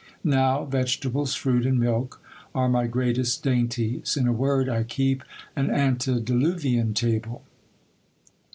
Now, vegetables, fruit, and milk, are my greatest dainties ; in a word, I keep an antediluvian table.